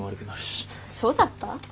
そうだった？